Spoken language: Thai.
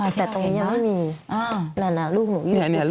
ใช่